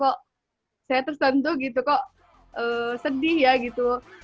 kok saya tersentuh gitu kok sedih ya gitu